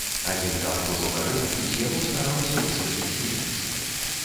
Адзін танк ужо гарэў, і з яго стараўся выскачыць немец.